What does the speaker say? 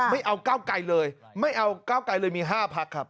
ไม่เอาก้าวไกลเลยไม่เอาก้าวไกลเลยมี๕พักครับ